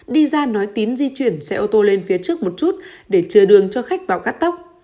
đi ra nói tín di chuyển xe ô tô lên phía trước một chút để chờ đường cho khách vào cắt tóc